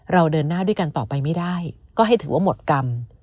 เราเดินหน้าด้วยกันต่อไปไม่ได้ก็ให้ถือว่าหมดกรรม